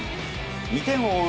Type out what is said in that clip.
２点を追う